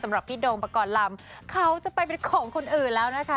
สำหรับพี่โดมปกรณ์ลำเขาจะไปเป็นของคนอื่นแล้วนะคะ